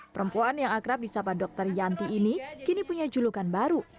perempuan yang akrab di sapa dokter yanti ini kini punya julukan baru